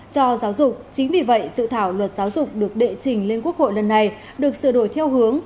cho giáo dục chính vì vậy sự thảo luật giáo dục được đệ trình lên quốc hội lần này được sửa đổi theo hướng